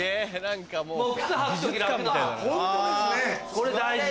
これ大事。